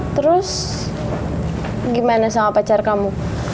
terus gimana sama pacar kamu